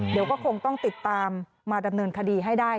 เดี๋ยวก็คงต้องติดตามมาดำเนินคดีให้ได้